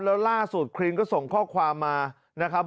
แล้วล่าสุดครีนก็ส่งข้อความมานะครับ